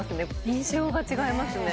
印象が違いますね